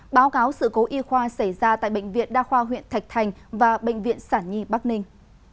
báo cáo sự cố y khoa xảy ra tại bệnh viện đa khoa huyện thạch thành và bệnh viện sản nhi bắc ninh